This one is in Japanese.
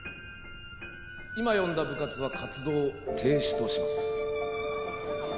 今呼んだ部活は活動停止とします。